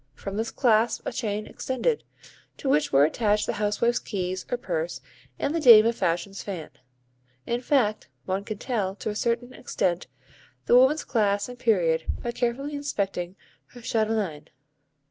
From this clasp a chain extended, to which were attached the housewife's keys or purse and the dame of fashion's fan. In fact one can tell, to a certain extent, the woman's class and period by carefully inspecting her chatelaine.